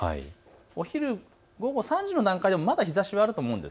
お昼、午後３時の段階でもまだ日ざしがあると思います。